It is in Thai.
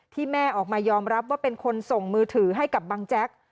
แม่ออกมายอมรับว่าเป็นคนส่งมือถือให้กับบังแจ๊ก